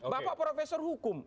bapak profesor hukum